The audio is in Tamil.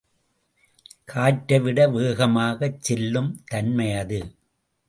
காற்றைவிட வேகமாகச் செல்லும் தன்மையது.